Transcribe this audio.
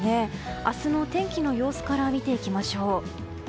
明日の天気の様子から見ていきましょう。